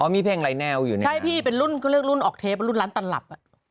อ๋อมีเพลงอะไรแนวอยู่ในนั้นนะครับใช่พี่เป็นรุ่นเรื่องรุ่นออกเทปรุ่นร้านตันหลับ